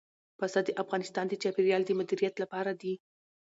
پسه د افغانستان د چاپیریال د مدیریت لپاره دي.